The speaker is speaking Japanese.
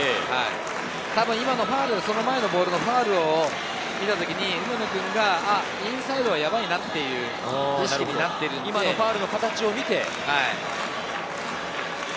今のファウル、その前のボールのファウルを見た時に梅野君がインサイドはやばいなっていう意識になっている、今のファウルの形を見て。